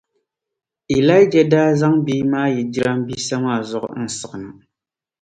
Ilaija daa zaŋ bia maa yi jirambisa maa zuɣu n-siɣi na.